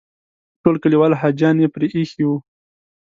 ټول کلیوال حاجیان یې پرې ایښي وو.